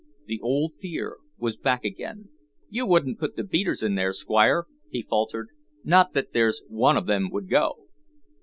The old fear was back again. "You wouldn't put the beaters in there, Squire?" he faltered; "not that there's one of them would go."